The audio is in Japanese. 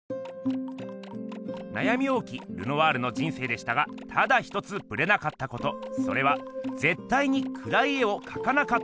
なやみ多きルノワールの人生でしたがただ一つぶれなかったことそれはぜったいにくらい絵をかかなかったことです。